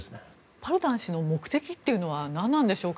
パルダン氏の目的というのは何なんでしょうか。